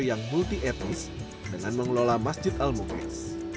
yang multi etnis dengan mengelola masjid al muklis